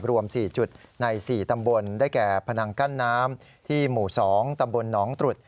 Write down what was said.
รวม๔จุดใน๔ตำบลได้แก่พนังกั้นน้ำที่หมู่๒ตำบลหนองตรุษ